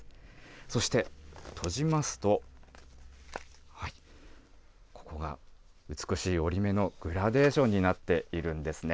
そして閉じますと、ここが美しい折り目のグラデーションになっているんですね。